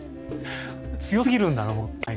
強すぎるんだな